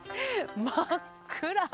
真っ暗。